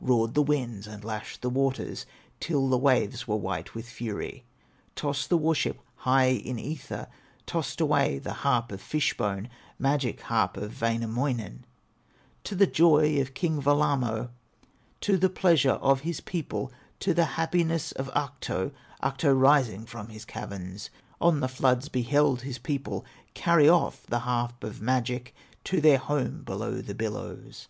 Roared the winds and lashed the waters Till the waves were white with fury; Tossed the war ship high in ether, Tossed away the harp of fish bone, Magic harp of Wainamoinen, To the joy of King Wellamo, To the pleasure of his people, To the happiness of Ahto, Ahto, rising from his caverns, On the floods beheld his people Carry off the harp of magic To their home below the billows.